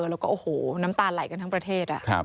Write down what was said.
แล้วก็โอ้โหน้ำตาไหลกันทั้งประเทศ